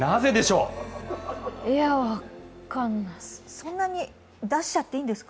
そんなに出しちゃっていいんですか？